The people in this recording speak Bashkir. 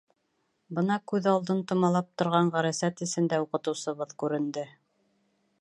Бына күҙ алдын томалап торған ғәрәсәт эсендә уҡытыусыбыҙ күренде.